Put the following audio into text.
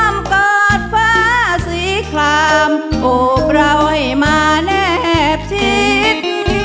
อ้อมกอดฟ้าสีคลามโอบร่อยมาแนบชิด